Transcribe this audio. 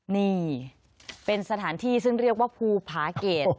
นี่เป็นสถานที่ซึ่งเรียกว่าภูผาเกต